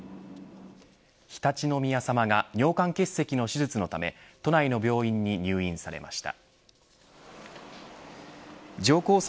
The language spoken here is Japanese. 常陸宮さまが尿管結石の手術のため都内の病院に入院されました。